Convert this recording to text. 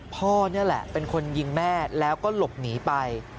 พ่อนี่แหละเป็นคนยิงแม่แล้วก็หลบหนีไป